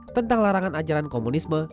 tentang larangan ajaran komunisme